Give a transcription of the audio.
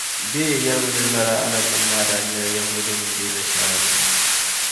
Bee yi yεrimi ni lala Annabinim' maa daa nyɛla Yahuudunim’ bee Nashaaranima?